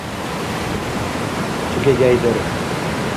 Тугагайдир